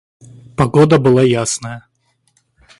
Погода была ясная.